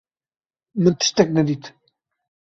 Min tiştek nedît.